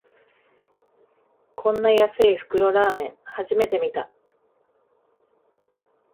こんな安い袋ラーメン、初めて見た